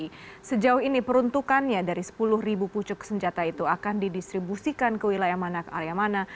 jadi sejauh ini peruntukannya dari sepuluh ribu pucuk senjata itu akan didistribusikan ke wilayah mana ke area mana